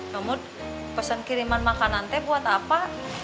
nyomud pesen kiriman makanan teh buat apa